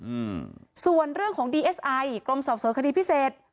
อืมส่วนเรื่องของดีเอสไอกรมสอบสวนคดีพิเศษ